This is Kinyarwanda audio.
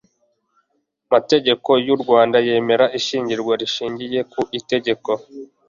amategeko y'u rwanda yemera ishyingirwa rishyingiye ku itegeko